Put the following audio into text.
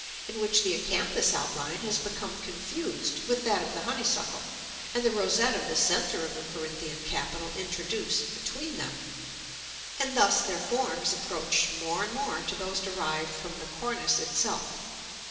in which the acanthus outline has become confused with that of the honeysuckle, and the rosette of the centre of the Corinthian capital introduced between them; and thus their forms approach more and more to those derived from the cornice itself.